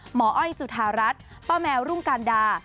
อ้อยจุธารัฐป้าแมวรุ่งการดา